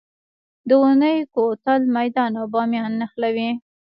د اونی کوتل میدان او بامیان نښلوي